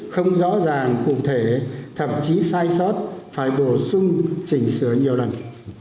không rõ ràng cụ thể thậm chí sai sót phải bổ sung chỉnh sửa nhiều lần